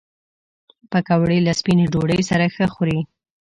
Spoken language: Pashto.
پکورې له سپینې ډوډۍ سره ښه خوري